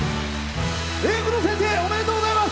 英語の先生おめでとうございます。